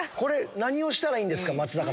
何をしたらいいんですか？